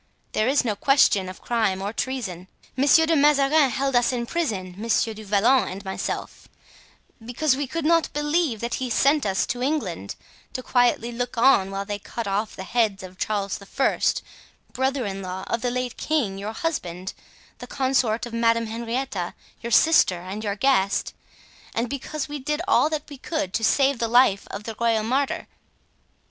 There is here no question of crime or treason. Monsieur de Mazarin held us in prison, Monsieur du Vallon and myself, because we could not believe that he had sent us to England to quietly look on while they cut off the head of Charles I., brother in law of the late king, your husband, the consort of Madame Henrietta, your sister and your guest, and because we did all that we could do to save the life of the royal martyr.